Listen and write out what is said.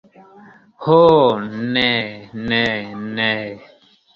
Ho, ne, ne, ne!